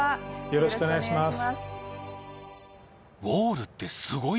よろしくお願いします。